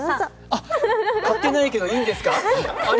あ、買ってないけどいいんですか？